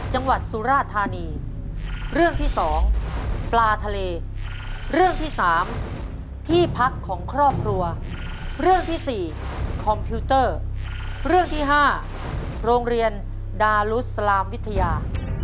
หรือว่าโรงเรียนดารุสลามวิทยา